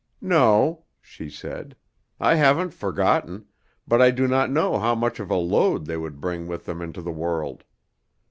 "No," she said, "I haven't forgotten, but I do not know how much of a load they would bring with them into the world.